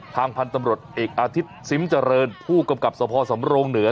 ทางพันธุ์ตำรวจเอกอาทิตย์ซิมเจริญผู้กำกับสภสำโรงเหนือ